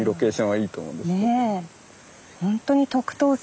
はい。